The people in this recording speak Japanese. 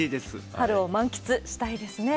春を満喫したいですね。